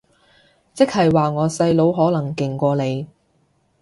即係話我細佬可能勁過你